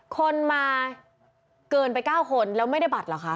คนมาเกินไป๙คนแล้วไม่ได้บัตรเหรอคะ